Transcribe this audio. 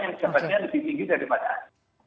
yang jabatannya lebih tinggi daripada